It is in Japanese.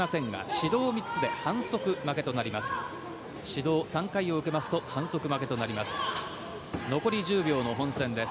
指導３回を受けますと反則負けとなります。